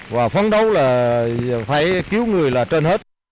và phấn đấu là phải cứu người là trên hết